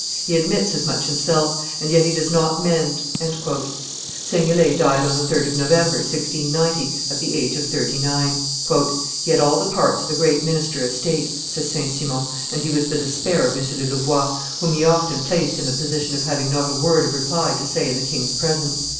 He admits as much himself; and yet he does not mend." Seignelay died on the 3d of November, 1690, at the age of thirty nine. "He had all the parts of a great minister of state," says St. Simon, "and he was the despair of M. de Louvois, whom he often placed in the position of having not a word of reply to say in the king's presence.